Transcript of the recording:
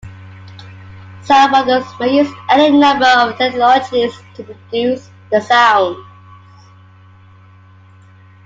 Sound modules may use any number of technologies to produce their sounds.